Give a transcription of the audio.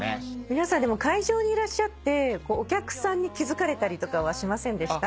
皆さん会場にいらっしゃってお客さんに気付かれたりとかはしませんでした？